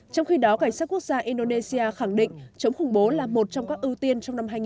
trong khi đó cảnh sát quốc gia indonesia khẳng định chống khủng bố là một trong các ưu tiên